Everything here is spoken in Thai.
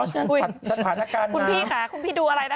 สถานการณ์คุณพี่ค่ะคุณพี่ดูอะไรนะ